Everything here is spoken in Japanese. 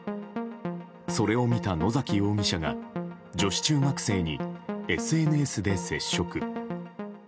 それを見た野崎容疑者が女子中学生にＳＮＳで接触。